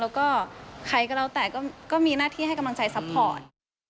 แล้วก็ใครก็แล้วแต่ก็มีหน้าที่ให้กำลังใจซัพพอร์ต